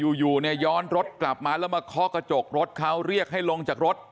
อยู่เนี่ยย้อนรถกลับมาแล้วมาเคาะกระจกรถเขาเรียกให้ลงจากรถ